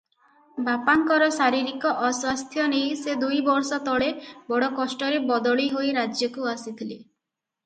ବାପାଙ୍କର ଶାରୀରିକ ଅସ୍ୱାସ୍ଥ୍ୟ ନେଇ ସେ ଦୁଇବର୍ଷ ତଳେ ବଡ଼ କଷ୍ଟରେ ବଦଳି ହୋଇ ରାଜ୍ୟକୁ ଆସିଥିଲେ!